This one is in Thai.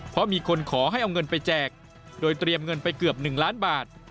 เพราะมีคนขอให้เอาเงินไปแจกโดยเตรียมเงินไปเกือบ๑ล้านบาท